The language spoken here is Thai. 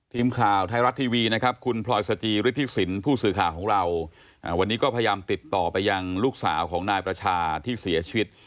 ที่ฤทธิสินทร์ผู้สื่อข่าวของเราวันนี้ก็พยายามติดต่อไปยังลูกสาวของนายประชาที่เสียชีวิต